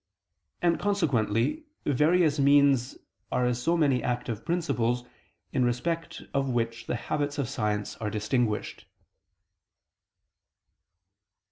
And consequently various means are as so many active principles, in respect of which the habits of science are distinguished.